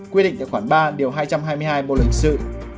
quyết định đã khoảng ba điều hai trăm hai mươi hai bộ lợi hình sự